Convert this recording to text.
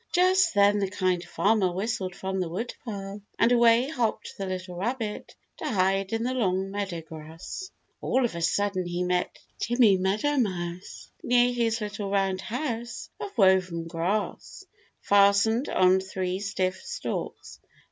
Just then the Kind Farmer whistled from the woodpile, and away hopped the little rabbit to hide in the long meadow grass. All of a sudden he met Timmy Meadowmouse near his little round house of woven grass, fastened on three stiff stalks.